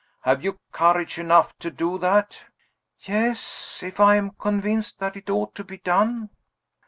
Have you courage enough to do that?" "Yes if I am convinced that it ought to be done."